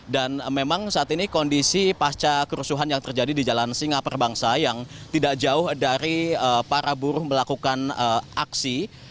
dan memang saat ini kondisi pasca kerusuhan yang terjadi di jalan singapura bangsa yang tidak jauh dari para buruh melakukan aksi